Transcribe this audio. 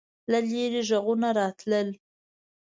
له لیرې غږونه راتلل.